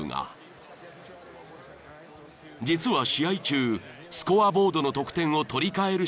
［実は試合中スコアボードの得点を取り換える仕事もしていた］